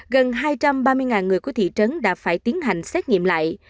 gần hai trăm ba mươi người của thị trấn đã phải tiến hành xét nghiệm lại